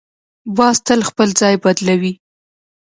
باز تل خپل ځای بدلوي